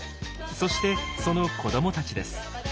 そしてその子どもたちです。